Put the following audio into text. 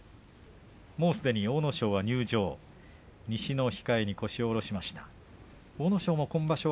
もうすでに阿武咲は入場。